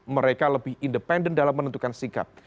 mereka lebih independen dalam menentukan sikap